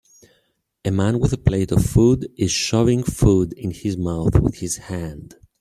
A man with a plate of food, is shoving food in his mouth with his hand.